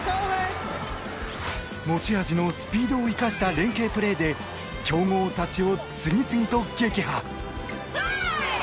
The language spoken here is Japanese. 持ち味のスピードを生かした連係プレーで強豪たちを次々と撃破。